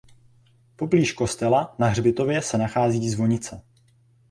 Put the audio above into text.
Poblíž kostela na hřbitově se nachází zvonice.